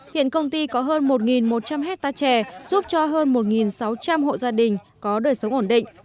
hiện công ty có hơn một một trăm linh hectare trẻ giúp cho hơn một sáu trăm linh hộ gia đình có đời sống ổn định